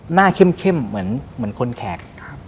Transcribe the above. หน้าเข้มเหมือนคนแขก